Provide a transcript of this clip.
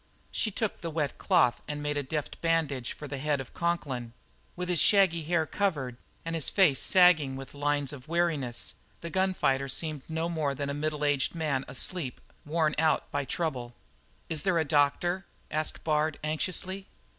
She took the wet cloth and made a deft bandage for the head of Conklin. With his shaggy hair covered, and all his face sagging with lines of weariness, the gun fighter seemed no more than a middle aged man asleep, worn out by trouble. "Is there a doctor?" asked Bard anxiously.